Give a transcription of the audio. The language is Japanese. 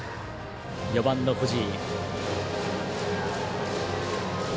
４番の藤井。